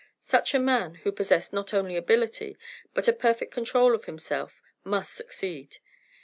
Such a man, who possessed not only ability but a perfect control of himself, MUST SUCCEED.